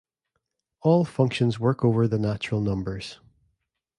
All functions work over the natural numbers.